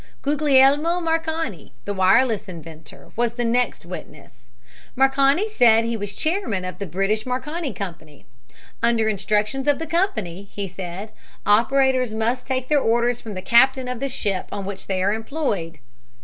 Guglielmo Marconi, the wireless inventor, was the next witness. Marconi said he was chairman of the British Marconi Company. Under instructions of the company, he said, operators must take their orders from the captain of the ship on which they are employed.